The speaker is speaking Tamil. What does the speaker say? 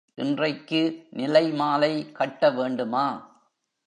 இன்றைக்கு நிலைமாலை கட்ட வேண்டுமா?